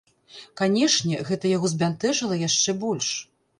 Канечне, гэта яго збянтэжыла яшчэ больш.